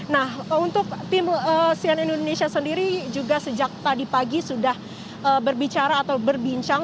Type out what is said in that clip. nah untuk tim sian indonesia sendiri juga sejak tadi pagi sudah berbicara atau berbincang